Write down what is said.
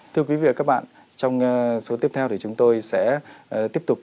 thưa quý vị và các bạn trong số tiếp theo thì chúng tôi sẽ tiếp tục